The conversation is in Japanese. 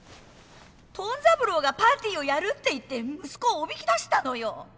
トン三郎がパーティーをやるって言って息子をおびき出したのよ。